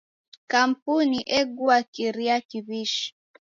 Kampuni egua kiria kiw'ishi.